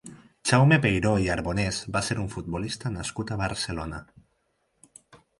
Jaume Peiró i Arbonès va ser un futbolista nascut a Barcelona.